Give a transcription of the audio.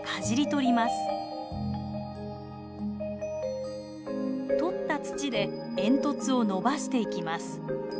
取った土で煙突をのばしていきます。